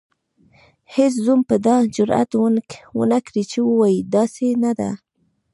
هیڅ زوم به دا جرئت ونکړي چې ووايي داسې نه ده.